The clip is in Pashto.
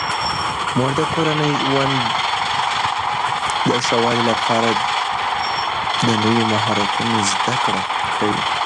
مور د کورني ژوند د ښه والي لپاره د نویو مهارتونو زده کړه کوي.